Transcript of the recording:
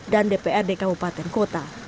dan dprd kabupaten kota